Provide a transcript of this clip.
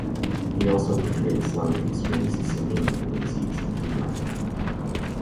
He also portrayed Islamic extremist Salim Abu Aziz in "True Lies".